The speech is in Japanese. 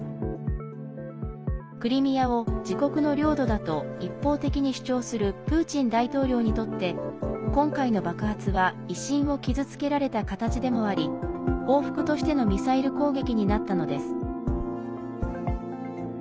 クリミアを自国の領土だと一方的に主張するプーチン大統領にとって今回の爆発は威信を傷つけられた形でもあり報復としてのミサイル攻撃になったのです。